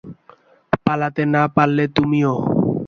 পালাতে না পারলে তুমিও।